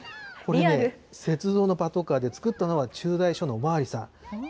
これね、雪像のパトカーで、作ったのは駐在所のおまわりさん。